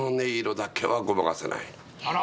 あら